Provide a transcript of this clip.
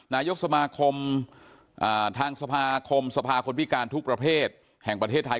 นายกสมาคมทางสภาคมสภาคนพิการทุกประเภทแห่งประเทศไทย